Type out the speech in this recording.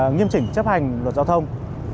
nghiêm chỉnh chấp hành luật giao thông